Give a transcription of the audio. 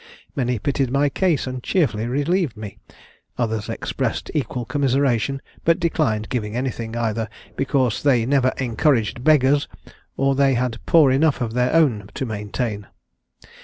Many pitied my case and cheerfully relieved me. Others expressed equal commiseration, but declined giving anything, either because 'they never encouraged beggars,' or 'they had poor enough of their own to maintain.'